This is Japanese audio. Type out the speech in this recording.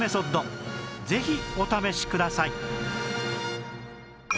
ぜひお試しください